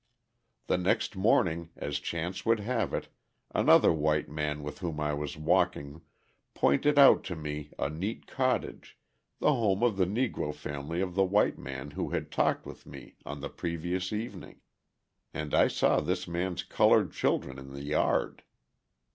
The next morning as chance would have it, another white man with whom I was walking pointed out to me a neat cottage, the home of the Negro family of the white man who had talked with me on the previous evening. And I saw this man's coloured children in the yard!